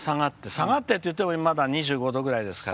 下がってっていってもまだ２５度ぐらいですから。